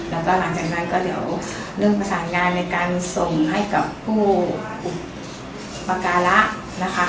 แล้วก็หลังจากนั้นก็เดี๋ยวเร่งประสานงานในการส่งให้กับผู้ประการะนะคะ